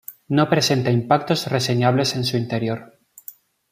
No presenta impactos reseñables en su interior.